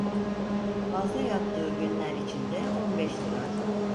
Fazla yattığı günler için de on beş lira…